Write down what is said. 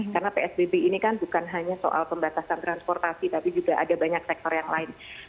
karena psbb ini kan bukan hanya soal pembatasan transportasi tapi juga ada banyak sektor yang lain